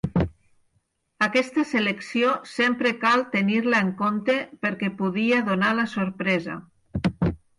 Aquesta selecció sempre cal tenir-la en compte perquè podia donar la sorpresa.